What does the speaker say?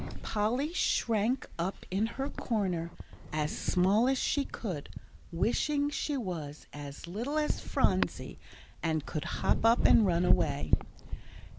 Polly shrank up in her corner as small as she could, wishing she was as little as Phronsie, and could hop up and run away.